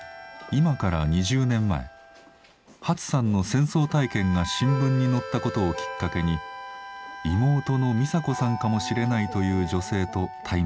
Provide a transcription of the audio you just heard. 今から２０年前ハツさんの戦争体験が新聞に載ったことをきっかけに妹のミサ子さんかもしれないという女性と対面しました。